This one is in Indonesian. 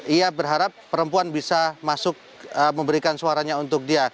ia berharap perempuan bisa masuk memberikan suaranya untuk dia